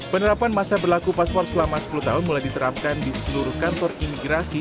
penerapan masa berlaku paspor selama sepuluh tahun mulai diterapkan di seluruh kantor imigrasi